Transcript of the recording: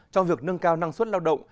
trong việc nâng cao năng suất lao động